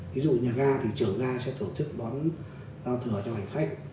ví dụ nhà ga thì trường ga sẽ tổ chức đón giao thừa cho hành khách